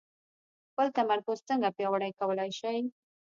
خپل تمرکز څنګه پياوړی کولای شئ؟